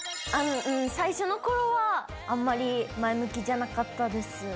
最初のころは、あんまり、前向きじゃなかったです。